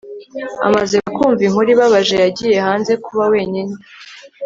amaze kumva inkuru ibabaje, yagiye hanze kuba wenyine